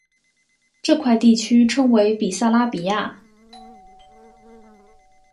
这块地区称为比萨拉比亚。